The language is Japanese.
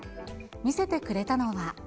見せてくれたのは。